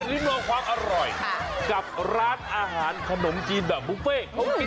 ริมโนความอร่อยกับร้านอาหารขนมจีนแบบบุฟเฟต์